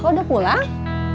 kok udah pulang